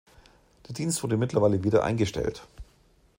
Der Dienst wurde mittlerweile wieder eingestellt.